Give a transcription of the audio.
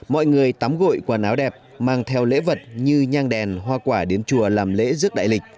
mọi người tắm gội quần áo đẹp mang theo lễ vật như nhang đèn hoa quả đến chùa làm lễ rước đại lịch